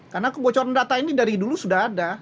karena kebocoran data ini dari dulu sudah ada